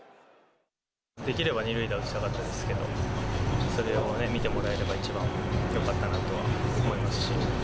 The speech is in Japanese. できれば２塁打、打ちたかったですけど、それを見てもらえれば一番よかったなとは思いますし。